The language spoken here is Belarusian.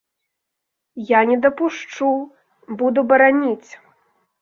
Я не дапушчу, буду бараніць.